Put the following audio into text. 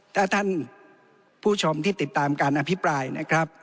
ถ้าท่านผู้ชมที่ติดตามการอภิปรายนะครับ